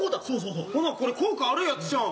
ほなこれ効果あるやつちゃうん。